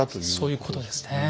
そういうことですね。